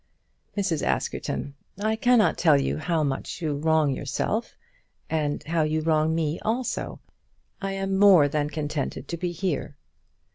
"Mrs. Askerton, I cannot tell you how much you wrong yourself, and how you wrong me also. I am more than contented to be here."